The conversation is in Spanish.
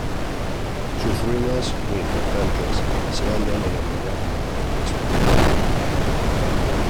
Sus ruinas, muy importantes, se hallan en el lugar llamado Pesto.